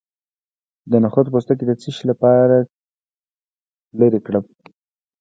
د نخود پوستکی د څه لپاره لرې کړم؟